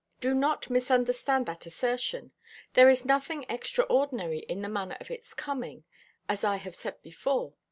Do not misunderstand that assertion. There is nothing extraordinary in the manner of its coming, as I have said before.